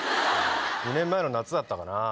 ２年前の夏だったかな。